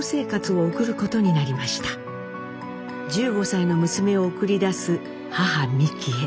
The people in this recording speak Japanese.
１５歳の娘を送り出す母ミキエ。